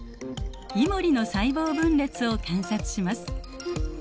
イモリの細胞分裂を観察します。